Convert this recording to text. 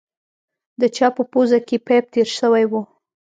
د چا په پوزه کښې پيپ تېر سوى و.